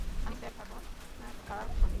আমি স্যার থাকব তার সঙ্গে।